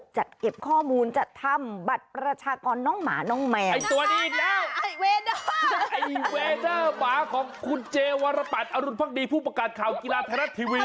เวเดอร์ไอ้เวเดอร์หมาของคุณเจวาระบัดอรุณภักดีผู้ประกาศข่าวกีฬาแทนรัฐทีวี